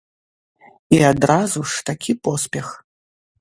І адразу ж такі поспех.